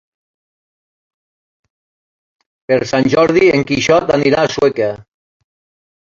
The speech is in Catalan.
Per Sant Jordi en Quixot anirà a Sueca.